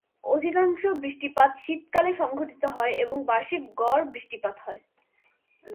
অধিকাংশ বৃষ্টিপাত শীতকালে সংঘটিত হয় এবং বার্ষিক গড় বৃষ্টিপাত হয়।